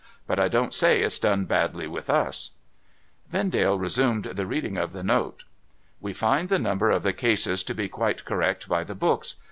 But I don't say it's done badly with us' Vendale resumed the reading of the note :' We find the number of the cases to be quite correct by the books.